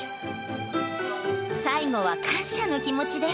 最後は感謝の気持ちで。